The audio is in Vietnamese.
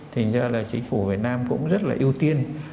thành ra là chính phủ việt nam cũng rất là ưu tiên